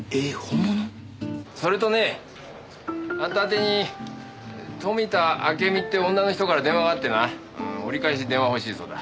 それとねぇあんた宛てに富田明美って女の人から電話があってな折り返し電話を欲しいそうだ。